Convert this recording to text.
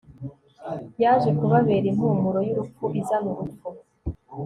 yaje kubabera impumuro yurupfu izana urupfu